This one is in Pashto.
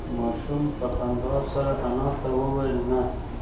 ماشوم په خندا سره انا ته وویل نه.